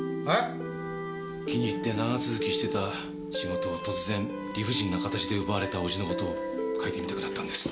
気に入って長続きしてた仕事を突然理不尽な形で奪われた叔父の事を書いてみたくなったんです。